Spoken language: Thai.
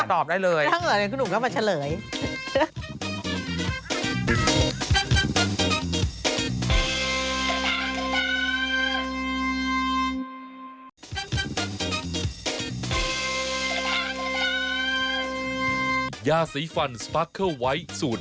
ตอบได้เลย